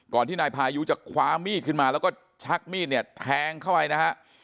ที่นายพายุจะคว้ามีดขึ้นมาแล้วก็ชักมีดเนี่ยแทงเข้าไปนะฮะ